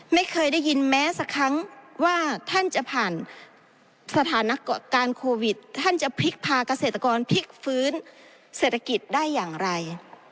ไม่เคยได้ยินแม้สักครั้งว่าท่านจะผ่านสถานการณ์โควิดท่านจะพลิกพากเกษตรกรพลิกฟื้นเศรษฐกิจได้อย่างไร